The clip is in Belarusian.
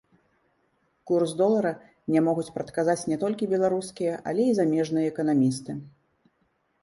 Курс долара не могуць прадказаць не толькі беларускія, але і замежныя эканамісты.